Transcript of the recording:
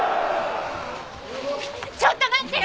ちょっと待ってよ